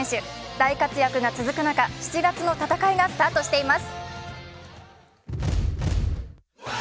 大活躍が続く中７月の戦いがスタートしています。